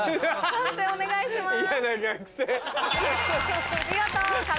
判定お願いします。